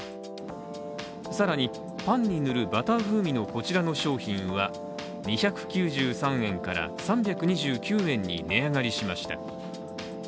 更にパンに塗るバター風味のこちらの商品は、２９３円から、３２９円に値上がりしました。